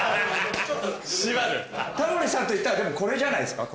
タモリさんといったらこれじゃないですか？